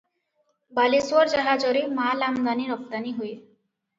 ବାଲେଶ୍ୱର ଜାହାଜରେ ମାଲ ଆମଦାନି ରପ୍ତାନି ହୁଏ ।